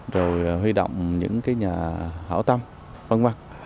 rồi huy động những nhà hảo tài năng